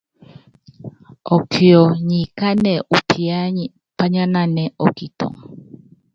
Ɔkiɔ nyi kánɛ upiányi pányánanɛ́ ɔ́kitɔŋɔ.